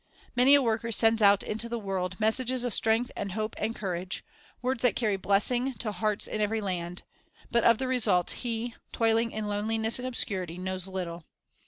Many a worker sends out into the world messages of strength and hope and cour age, words that carry blessing to hearts in every land; but of the results he, toiling in loneliness and obscurity, knows little.